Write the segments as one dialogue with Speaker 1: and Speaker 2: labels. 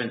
Speaker 1: We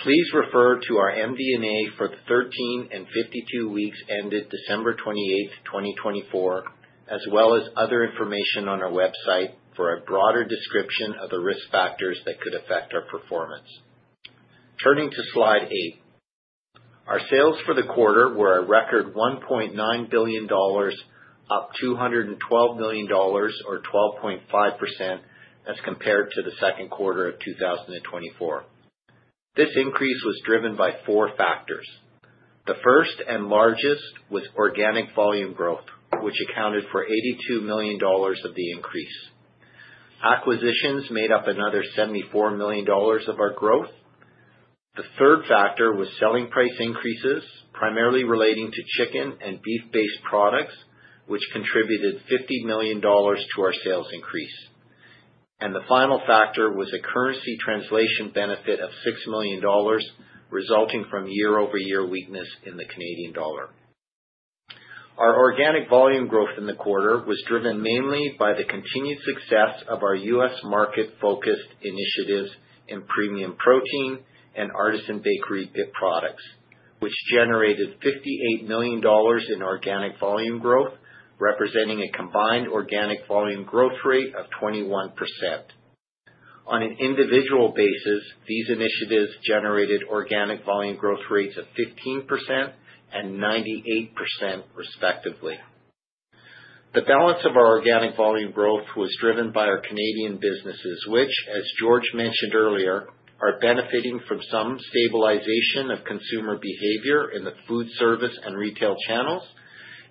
Speaker 2: growth for the back half that we can expect and that could give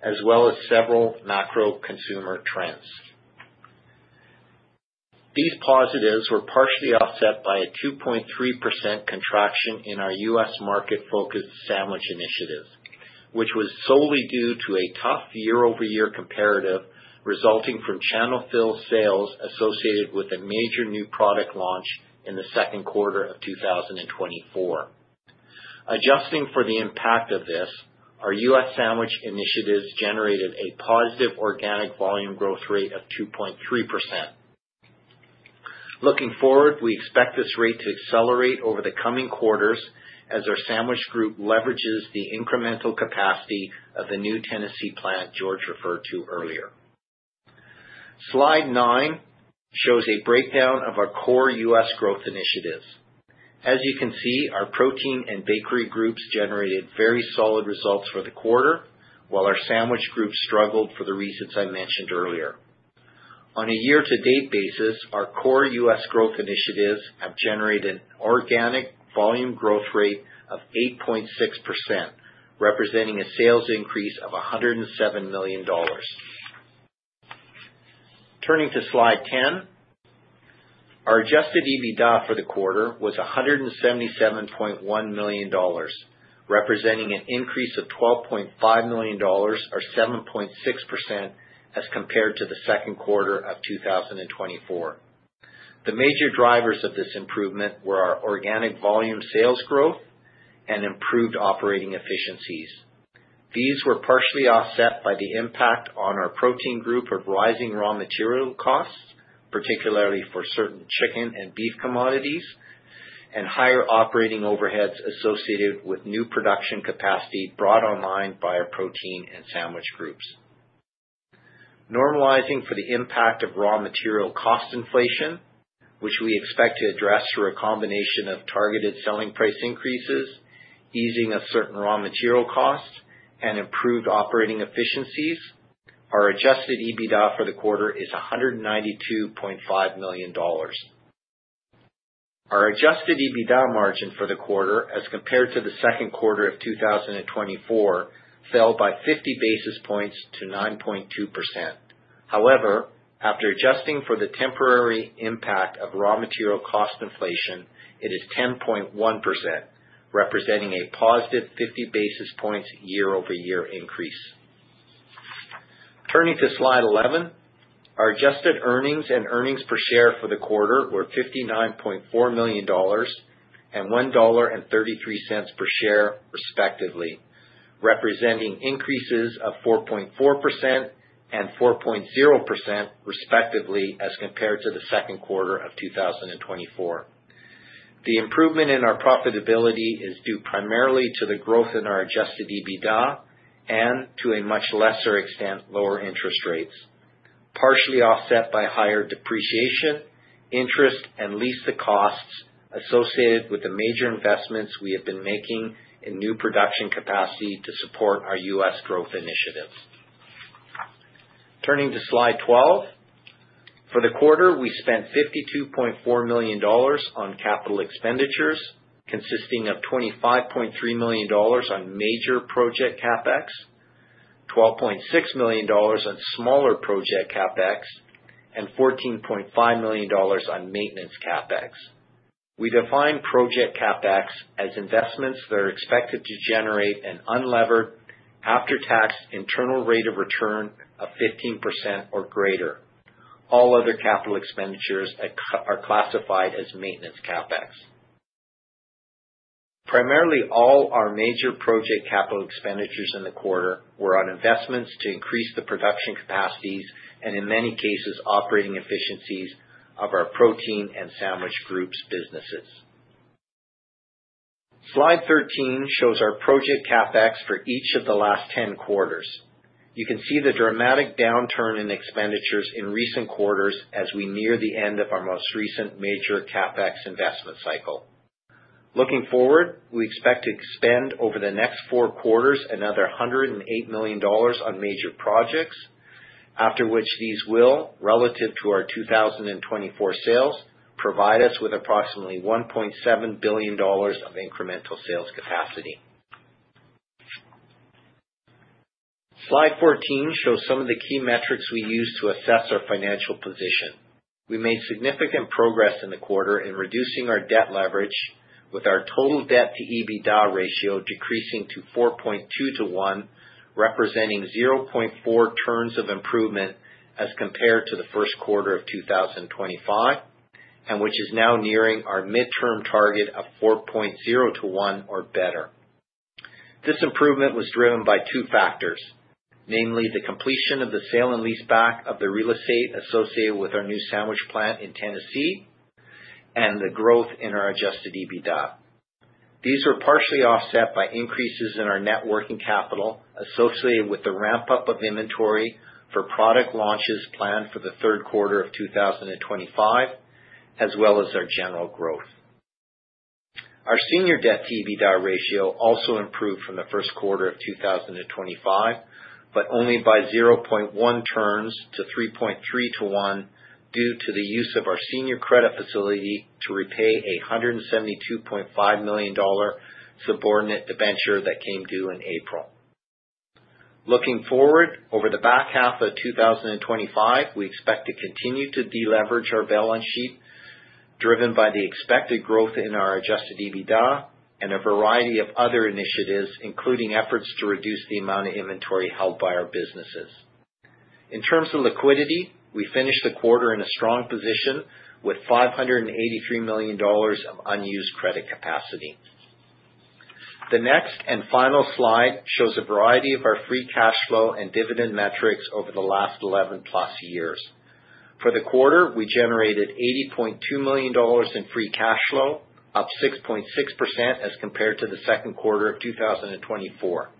Speaker 2: us a bit more visibility as you're going to achieve that pretty strong pace of growth?
Speaker 3: Yeah, it's really growth, Martin. Particularly, you know, Q3, we expect to see some continued growth with the initiatives being launched over the course of Q3, and the largest single launch in our pipeline, which will actually be one of our largest new product launches in our history, is in now early September. It is sort of loaded to the back half of the quarter. That's really going to drive a much stronger year-over-year Q4, because Q4 has historically been one of, if not our weakest quarters for seasonality reasons. A lot of these launches, a lot of this growth is in the U.S. market. It's less seasonal business, and really, that's going to be the biggest year-over-year factor driving that growth into our targeted EBITDA range.
Speaker 1: The other part, Martin, that you need to remember is that even though we've reported in-line EBITDA for the quarter, we absorbed about $15 million-$20 million in margin contraction because of high pre-inflation in chicken and beef. Plus, there were some tariffs there as well. Not that material, but there were some tariffs as well. That shows you that the earning capacity of the company on a normalized basis is much higher than what we reported, right? You have to account for that in terms of any projections you make.
Speaker 2: Okay. I understood. Maybe just to follow up on the last point on your price increases that you've put in place to absorb commodity increases, are you, is Q3 also impacted a little bit by that, or were you able to mitigate fully the commodity cost increases in Q3?
Speaker 3: We put through price increases, but our expectations of our margins normalizing to where they should be over the long term, Martin, is a combination of those price increases, and we do see easing of certain commodities, particularly
Speaker 4: in Q3, or are you still under pressure just a little bit because of the time it takes to pass through those price increases?
Speaker 3: Yeah, Steve, I don't know off the top of my head the actual percentage margin Q3 over Q3 projected versus next year, but the reality is we do expect to see improvement from Q2.
Speaker 4: Okay, that's helpful. Okay, great. Maybe just thinking about the sales capacity that you have. You've talked about the $1.7 billion for what the new capacity you have in place. Can you talk a little bit about whether you've previously talked about like $700 million being highly likely for 2025? Can you just let us know if that's still the case? How much do you think you've realized by the end of Q2 of that full capacity amount?
Speaker 3: As
Speaker 1: the future as we grow our different platforms.
Speaker 5: That's great. Last one here, and then I'll pass the line. Just
Speaker 6: some of the pricing inflation that you're up against, like the chicken